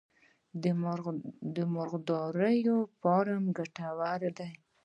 د مرغدارۍ فارم ګټور دی؟